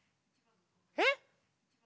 えっ？